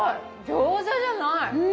餃子じゃない。